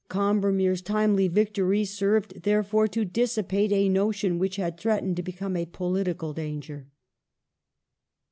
Combermere's timely victory served, therefore, to dissipate *'a notion which had threatened to become a political danger".